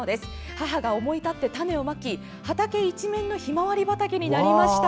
母が思い立って種をまき畑一面のひまわり畑になりました。